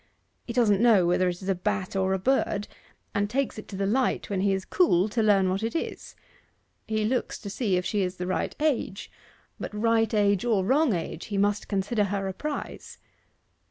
He doesn't know whether it is a bat or a bird, and takes it to the light when he is cool to learn what it is. He looks to see if she is the right age, but right age or wrong age, he must consider her a prize.